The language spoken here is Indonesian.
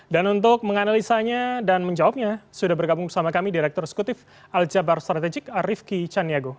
dan untuk menganalisanya dan menjawabnya sudah bergabung bersama kami direktur sekutif aljabar strategik rifki chaniago